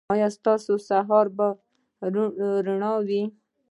ایا ستاسو سهار به روښانه وي؟